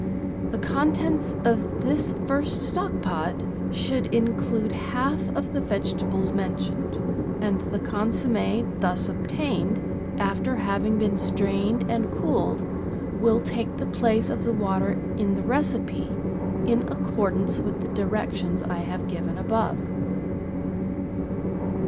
The contents of this first stock pot should include half of the vegetables mentioned, and the consomm6 thus obtained, after having been strained and cooled, will take the place of the water in the recipe, in accord ance with the directions I have given above.